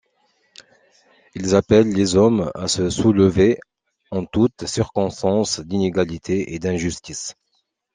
Il appelle les hommes à se soulever en toute circonstance d'inégalité et d'injustice.